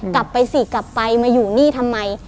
กลับไปสิกลับไปมาอยู่นี่ทำไม